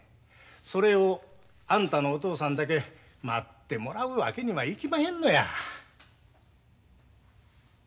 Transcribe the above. それをあんたのお父さんだけ待ってもらうわけにはいきまへんのや。